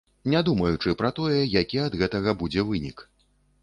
Не думаючы пра тое, які ад гэтага будзе вынік.